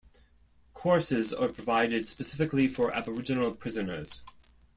Courses are provided specifically for Aboriginal prisoners.